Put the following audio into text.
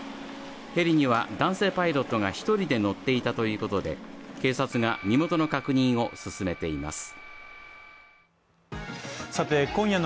ヘリには男性パイロットが一人で乗っていたということで警察が身元の確認を進めています